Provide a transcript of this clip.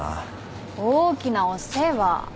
大きなお世話。